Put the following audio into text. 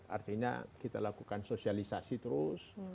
artinya kita lakukan sosialisasi terus